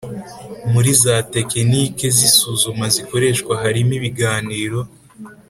Muri za tekinike z’isuzuma zikoreshwa harimo ibiganiro